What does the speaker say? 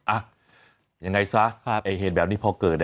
อ่ะยังไงซะไอ้เหตุแบบนี้พอเกิด